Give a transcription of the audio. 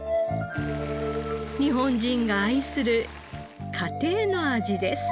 日本人が愛する家庭の味です。